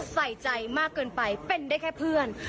ใส่ใจมากเกินไปเป็นได้แค่เพื่อน